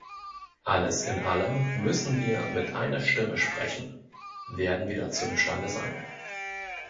Alles in allem müssen wir mit einer Stimme sprechen – werden wir dazu imstande sein?